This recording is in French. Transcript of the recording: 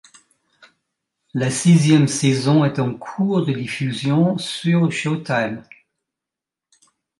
La sixième saison est en cours de diffusion sur Showtime.